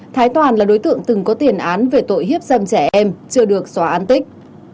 thái toàn là đối tượng từng có tiền án về tội hiếp dâm trẻ em chưa được xóa án tích